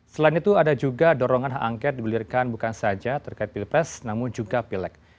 selain itu ada juga dorongan hak angket dibelirkan bukan saja terkait pilpres namun juga pilek